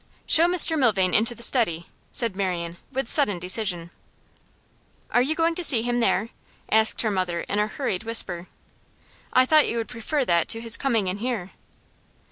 'Show Mr Milvain into the study,' said Marian, with sudden decision. 'Are you going to see him there?' asked her mother in a hurried whisper. 'I thought you would prefer that to his coming in here.